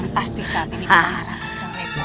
pasti saat ini perasaan mereka